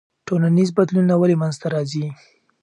ټولنیز بدلونونه ولې منځ ته راځي؟